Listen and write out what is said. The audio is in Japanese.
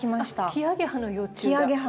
キアゲハの幼虫が。